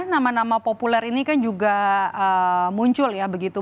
nama nama populer ini kan juga muncul ya begitu